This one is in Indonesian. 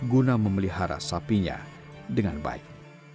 guna memelihara sapinya dengan baik